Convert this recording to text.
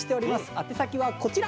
宛先はこちら。